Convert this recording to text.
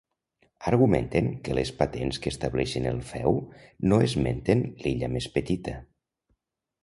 Argumenten que les patents que estableixen el feu no esmenten l'illa més petita.